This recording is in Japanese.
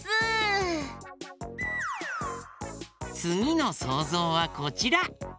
つぎのそうぞうはこちら。